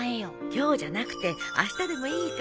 今日じゃなくてあしたでもいいから。